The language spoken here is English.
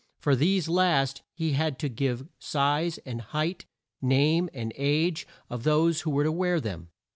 For these last he had to give size and height, name, and age, of those who were to wear them.